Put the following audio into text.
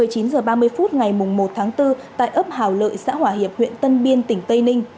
một mươi chín h ba mươi phút ngày một bốn tại ấp hảo lợi xã hỏa hiệp huyện tân biên tỉnh tây ninh